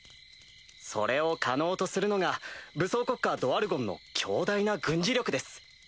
それを可能とするのが武装国家ドワルゴンの強大な軍事力です。